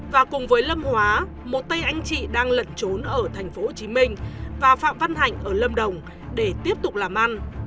và cùng với lâm hóa một tay anh chị đang lẩn trốn ở tp hcm và phạm văn hạnh ở lâm đồng để tiếp tục làm ăn